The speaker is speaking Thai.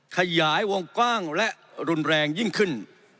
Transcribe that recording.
ขยายวงกว้างและรุนแรงยิ่งขึ้น